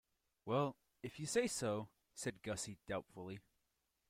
"Well, if you say so," said Gussie doubtfully.